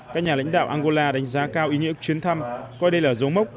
các nhà lãnh đạo angola đánh giá cao ý nghĩa chuyến thăm coi đây là dấu mốc